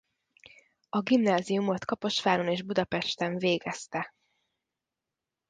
A gimnáziumot Kaposváron és Budapesten végezte.